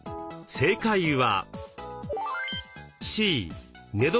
正解は。